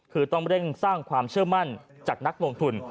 คือต้องเร่งสร้างความเชื่อมั่นจากนักลงทุน